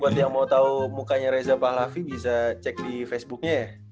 buat yang mau tahu mukanya reza pahlafi bisa cek di facebooknya ya